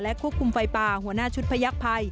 ควบคุมไฟป่าหัวหน้าชุดพยักษ์ภัย